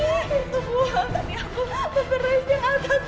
itu bu tadi aku beresnya atas